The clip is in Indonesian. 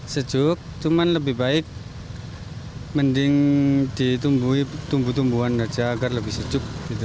sejuk cuman lebih baik mending ditumbuhi tumbuh tumbuhan aja agar lebih sejuk